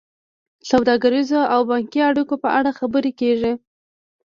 د سوداګریزو او بانکي اړیکو په اړه خبرې کیږي